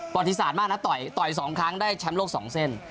ติศาสตร์มากนะต่อย๒ครั้งได้แชมป์โลก๒เส้น